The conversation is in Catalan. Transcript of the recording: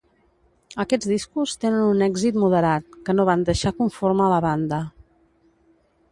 Aquests discos tenen un èxit moderat que no van deixar conforme a la banda.